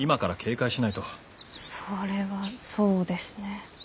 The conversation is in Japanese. それはそうですね。